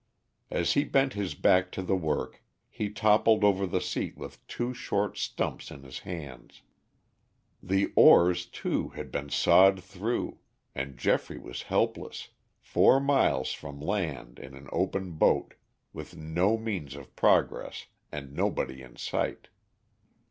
As he bent his back to the work, he toppled over the seat with two short stumps in his hands. The oars, too, had been sawed through and Geoffrey was helpless, four miles from land in an open boat, with no means of progress and nobody in sight.